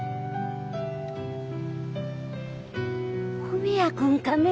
文也君かね？